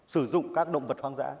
sử dụng các động vật hoang dã